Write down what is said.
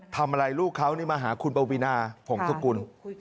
ทำอะไรลูกเขานี่มาหาคุณปวีนาผงสกุล